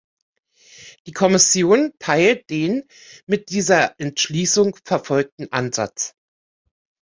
Die Kommission teilt den mit dieser Entschließung verfolgten Ansatz.